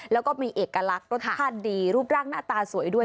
แล้วก็มีเอกลักษณ์รสชาติดีรูปร่างหน้าตาสวยด้วย